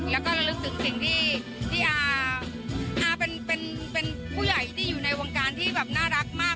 แล้วก็ระลึกถึงสิ่งที่อาเป็นผู้ใหญ่ที่อยู่ในวงการที่แบบน่ารักมาก